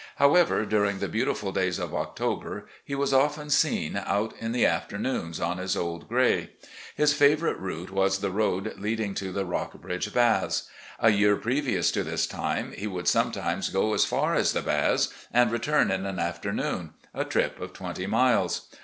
How ever, during the beautiful days of October he was often seen out in the afternoons on his old gray. His favourite route was the road leading to the Rockbridge Baths. A year previous to this time, he would sometimes go as far 372 RECOLLECTIONS OF GENERAL LEE as the Baths and return in an afternoon, a trip of twenty miles.